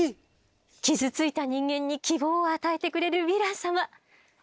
傷ついた人間に希望を与えてくれるヴィラン様